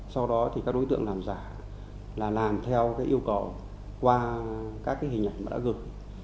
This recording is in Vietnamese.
sau đó các đối tượng làm giả là làm theo yêu cầu qua các hình ảnh đã gửi